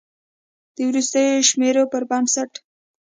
د وروستیو شمیرو پر بنسټ